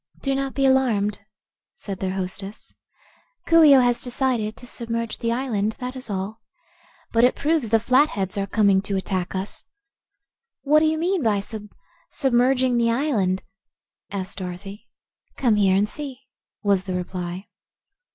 "Do not be alarmed," said their hostess. "Coo ee oh has decided to submerge the island, that is all. But it proves the Flatheads are coming to attack us." "What do you mean by sub sub merging the island?" asked Dorothy. "Come here and see," was the reply.